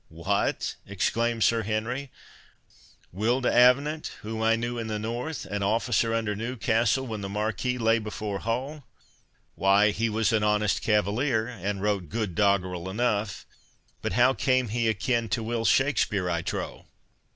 "What!" exclaimed Sir Henry—"Will D'Avenant, whom I knew in the North, an officer under Newcastle, when the Marquis lay before Hull?—why, he was an honest cavalier, and wrote good doggrel enough; but how came he a kin to Will Shakspeare, I trow?"